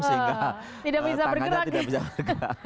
sehingga tangannya tidak bisa bergerak